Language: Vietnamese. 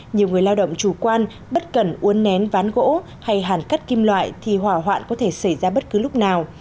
nhiều người lao động chủ quan bất cần uốn nén ván gỗ hay hàn cắt kim loại thì hỏa hoạn có thể xảy ra bất cứ lúc nào